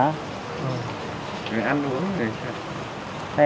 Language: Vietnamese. người ăn uống thì sao